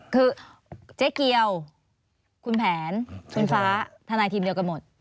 คือเจ๊เกียวคุณแผนคุณฟ้าทนายทีมเดียวกันหมด